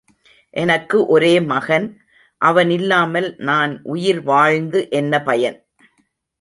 எனக்கு ஒரே மகன் அவன் இல்லாமல் நான் உயிர் வாழ்ந்து என்ன பயன்?